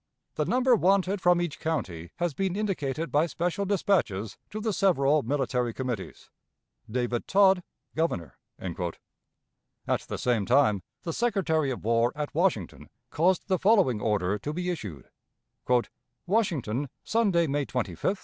... The number wanted from each county has been indicated by special dispatches to the several military committees. "DAVID TOD, Governor." At the same time the Secretary of War at Washington caused the following order to be issued: "WASHINGTON, _Sunday, May 25, 1862.